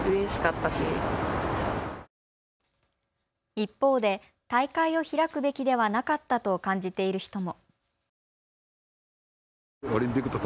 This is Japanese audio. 一方で大会を開くべきではなかったと感じている人も。